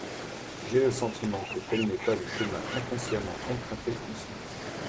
J’ai le sentiment que tel n’est pas le chemin inconsciemment emprunté ici.